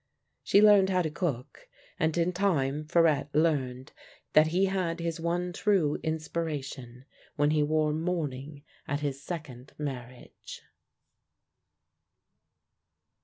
She learned how to cook, and in time Farette learned that he had his one true inspiration when he wore mourning at his second marriage.